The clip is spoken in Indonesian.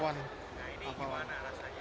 nah ini gimana rasanya